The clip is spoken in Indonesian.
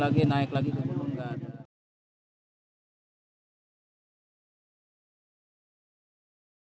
karena nilai ame dan oui dalam prerecorded by